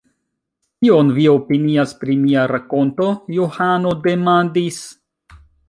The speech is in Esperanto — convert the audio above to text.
Kion vi opinias pri mia rakonto? Johano demandis.